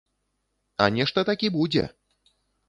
А нешта такі будзе!